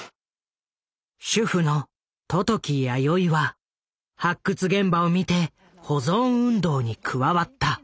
主婦の十時やよいは発掘現場を見て保存運動に加わった。